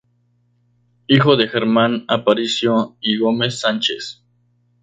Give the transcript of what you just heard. Hijo de Germán Aparicio y Gómez-Sánchez.